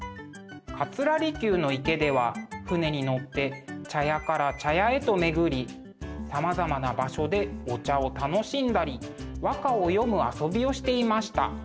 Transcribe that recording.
桂離宮の池では船に乗って茶屋から茶屋へと巡りさまざまな場所でお茶を楽しんだり和歌を詠む遊びをしていました。